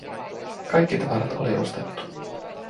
Kaikki tavarat oli ostettu.